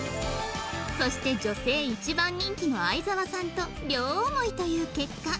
そして女性１番人気の沢さんと両思いという結果